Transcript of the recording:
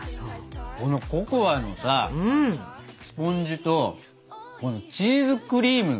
このココアのさスポンジとこのチーズクリーム。